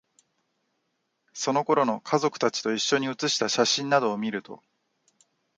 その頃の、家族達と一緒に写した写真などを見ると、